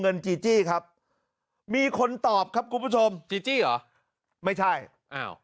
เงินจีจี้ครับมีคนตอบครับคุณผู้ชมจีจี้ไหว